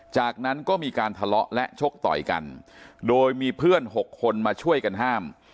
จากนั้นก็มีการทะเลาะและชกต่อยกันโดยมีเพื่อน๖คนมาช่วยกันห้าม